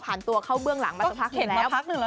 ผ่านตัวเข้าเบื้องหลังมาสักพักแล้ว